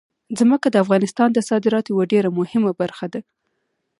ځمکه د افغانستان د صادراتو یوه ډېره مهمه برخه ده.